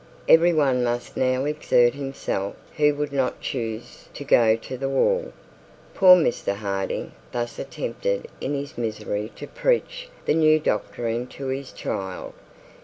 Every one must now exert himself who would not choose to go to the wall.' Poor Mr Harding thus attempted in his misery to preach the new doctrine to his child.